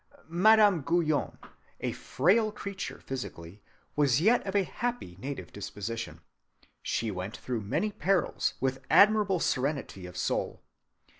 Madame Guyon, a frail creature physically, was yet of a happy native disposition. She went through many perils with admirable serenity of soul.